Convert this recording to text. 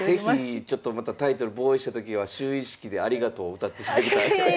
是非ちょっとまたタイトル防衛したときは就位式で「ありがとう」を歌っていただけたら。